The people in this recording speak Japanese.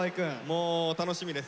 もう楽しみです。